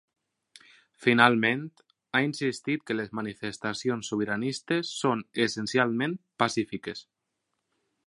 Finalment, ha insistit que les manifestacions sobiranistes són essencialment pacífiques.